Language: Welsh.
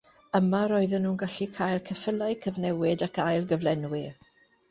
Yma roedden nhw'n gallu cael ceffylau cyfnewid ac ailgyflenwi.